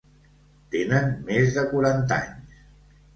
Tenen més de quaranta anys.